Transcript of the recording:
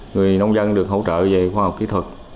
người nông dân được hỗ trợ về khoa học kỹ thuật